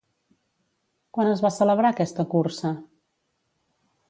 Quan es va celebrar aquesta cursa?